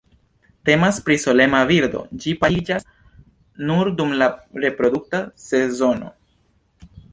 Temas pri solema birdo, ĝi pariĝas nur dum la reprodukta sezono.